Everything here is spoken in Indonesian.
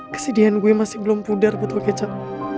kesedihan gue masih belum pudar betul kecap